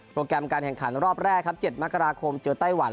โปรแกรมการแห่งขันรอบแรก๗มเจอไต้หวัน